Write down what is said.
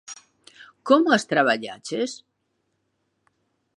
Como as traballaches?